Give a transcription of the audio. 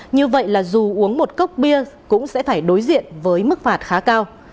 như vậy là dù uống một cốc bia cũng sẽ phải đối diện với mức phạt khá cao